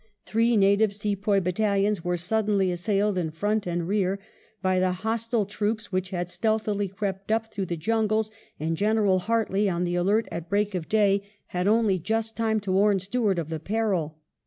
Three native Sepoy battalions were sud denly assailed in front and rear by the hostile troops which had stealthily crept up through the jungles ; and General Hartley, on the alert at break of day, had only just time to warn Staart of the peril.